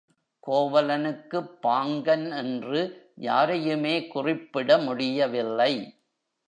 கோவலனுக்குப் பாங்கன் என்று யாரையுமே குறிப்பிட முடியவில்லை.